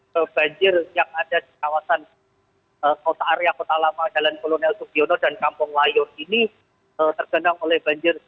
karena banjir yang ada di kawasan kota arya kota lama jalan kolonel tukyono dan kampung layun ini terkenang oleh banjir